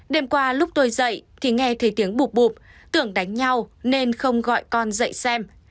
đêm qua lúc tôi dậy thì nghe thấy tiếng bục bụp tưởng đánh nhau nên không gọi con dậy xem